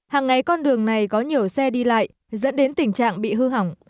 hàng ngày con đường này có nhiều xe đi lại dẫn đến tình trạng bị hư hỏng